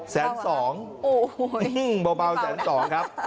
แสน๒บ่าวแสน๒ครับ